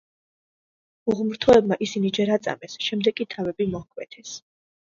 უღმრთოებმა ისინი ჯერ აწამეს, შემდეგ კი თავები მოჰკვეთეს.